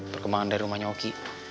perkembangan dari rumahnya oki